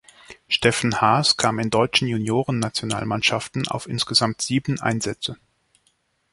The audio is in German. Steffen Haas kam in deutschen Junioren-Nationalmannschaften auf insgesamt sieben Einsätze.